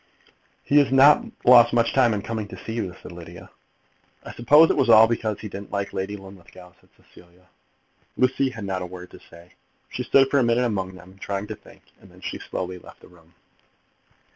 "He has not lost much time in coming to see you," said Lydia. "I suppose it was all because he didn't like Lady Linlithgow," said Cecilia. Lucy had not a word to say. She stood for a minute among them, trying to think, and then she slowly left the room.